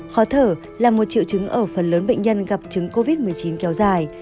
khó thở là một triệu chứng ở phần lớn bệnh nhân gặp chứng covid một mươi chín kéo dài